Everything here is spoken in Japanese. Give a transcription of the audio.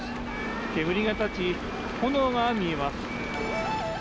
煙が立ち、炎が見えます。